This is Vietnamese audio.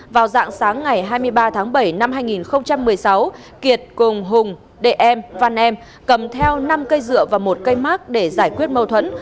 vào dạng sáng ngày hai mươi ba tháng bảy năm hai nghìn một mươi sáu kiệt cùng hùng đệ em văn em cầm theo năm cây dựa và một cây mát để giải quyết mâu thuẫn